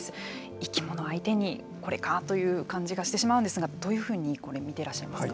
生き物相手にこれかあという感じがしてしまうんですがどういうふうに、これ見ていらっしゃいますか。